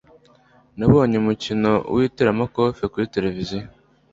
Nabonye umukino w'iteramakofe kuri tereviziyo.